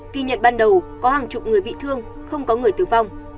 kỳ nhận ban đầu có hàng chục người bị thương không có người tử vong